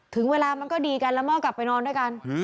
ถึงเวลามันก็ดีกันแล้วม่อกลับไปนอนด้วยกัน